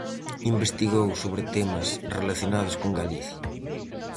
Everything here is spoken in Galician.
Investigou sobre temas relacionados con Galicia.